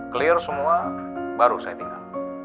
clear semua baru saya tinggal